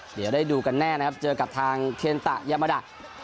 เดี๋ยวได้ดูกันแน่นะครับเจอกับทางเคนตะยามาดะ